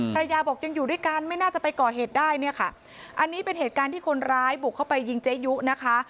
ภรรยาบอกยังอยู่ด้วยกันไม่น่าจะไปก่อเหตุได้เนี่ยค่ะอันนี้เป็นเหตุการณ์ที่คนร้ายบุกเข้าไปยิงเจยุนะคะ